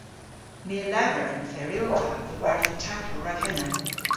My a lever an ferylva dhe wertha taklow rag henna.